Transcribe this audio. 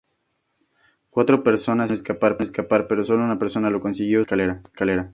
Cuatro personas intentaron escapar pero sólo una persona lo consiguió, usando una escalera.